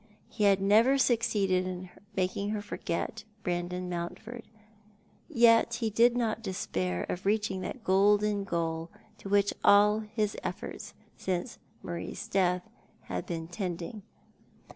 He had never succeeded in making her forget Brandon ^Mountford. Yet he did not despair of reaching that golden goal to which all his efforts, since Marie's death, had been tending.